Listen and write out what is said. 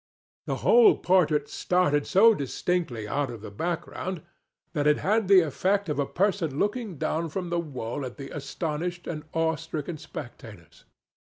The whole portrait started so distinctly out of the background that it had the effect of a person looking down from the wall at the astonished and awe stricken spectators.